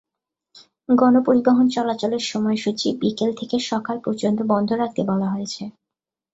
গণপরিবহন চলাচলের সময়সূচি বিকেল থেকে সকাল পর্যন্ত বন্ধ রাখতে বলা হয়েছে।